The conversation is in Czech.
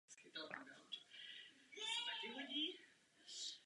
Před touto obcí je postavena přehradní hráz a vytváří na řece vodní nádrž.